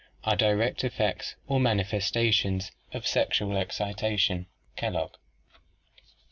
are direct effects or manifestations of sexual excita tion" (Kellogg).